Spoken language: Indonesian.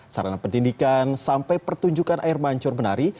sarana pendidikan sampai pertunjukan air mancur menari